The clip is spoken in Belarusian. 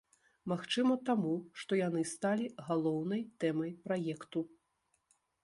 Магчыма таму, што яны сталі галоўнай тэмай праекту.